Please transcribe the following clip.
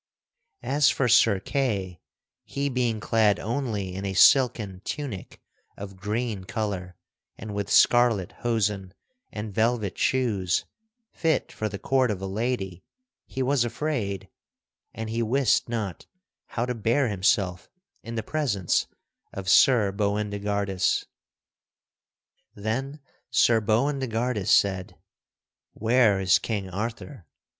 As for Sir Kay (he being clad only in a silken tunic of green color and with scarlet hosen and velvet shoes, fit for the court of a lady) he was afraid, and he wist not how to bear himself in the presence of Sir Boindegardus. Then Sir Boindegardus said, "Where is King Arthur?"